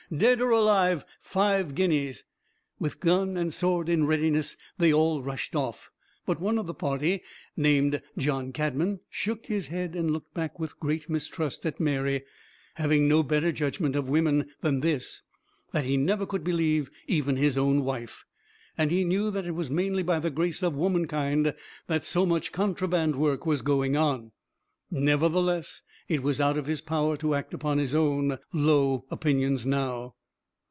Dead or alive, five guineas!" With gun and sword in readiness, they all rushed off; but one of the party, named John Cadman, shook his head and looked back with great mistrust at Mary, having no better judgment of women than this, that he never could believe even his own wife. And he knew that it was mainly by the grace of womankind that so much contraband work was going on. Nevertheless, it was out of his power to act upon his own low opinions now.